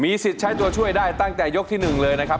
สิทธิ์ใช้ตัวช่วยได้ตั้งแต่ยกที่๑เลยนะครับ